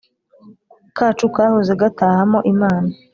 kacu kahoze gatahamo Imana.